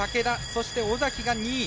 そして、尾崎が２位。